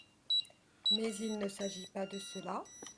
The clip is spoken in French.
Mais il ne s’agit pas de cela…